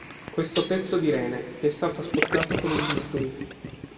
Questo pezzo di rene, che è stato asportato con un bisturi.